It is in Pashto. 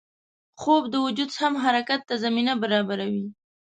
خوب د وجود سم حرکت ته زمینه برابروي